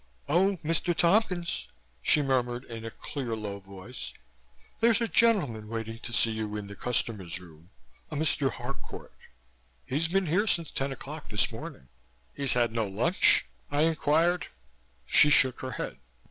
"Oh, Mr. Tompkins," she murmured in a clear, low voice, "there's a gentleman waiting to see you in the customer's room, a Mr. Harcourt. He's been here since ten o'clock this morning." "He's had no lunch?" I inquired. She shook her head.